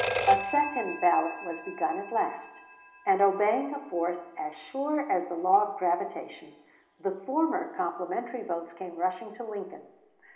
A second ballot was begun at last, and, obeying a force as sure as the law of gravitation, the former complimentary votes came rushing to Lincoln.